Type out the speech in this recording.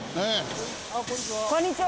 あこんにちは。